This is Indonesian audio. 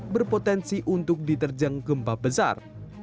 berpotensi untuk diterjang gempa besar